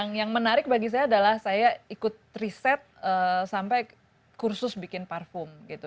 yang menarik bagi saya adalah saya ikut riset sampai kursus bikin parfum gitu